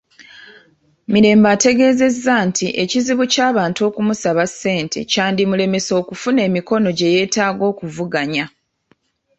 Mirembe ategeezezza nti ekizibu ky'abantu okumusaba ssente kyandimulemesa okufuna emikono gye yeetaaga okuvuganya.